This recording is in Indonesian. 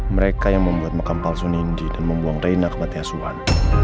mereka yang membuat makam palsu nindi dan membuang reina kematian suhan